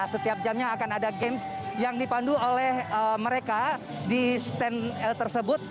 setiap jamnya akan ada games yang dipandu oleh mereka di stand tersebut